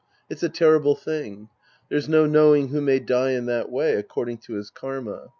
It's a terrible thing. There's no laiowing who may die in that way according to his karma.